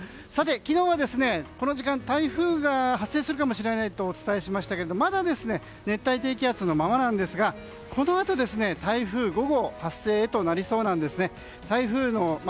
昨日はこの時間に台風が発生するかもしれないとお伝えしましたが、まだ熱帯低気圧のままなんですがこのあと台風５号発生へとなりそうなんですね。